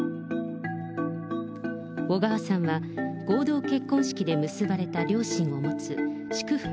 小川さんは合同結婚式で結ばれた両親を持つ祝福